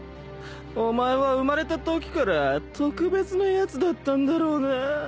お前は生まれたときから特別なやつだったんだろうなぁ。